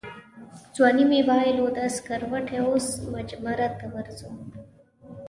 ځواني مې بایلوده سکروټې اوس مجمرته ورځو